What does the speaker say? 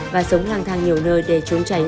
và sống lang thang nhiều nơi để chống tránh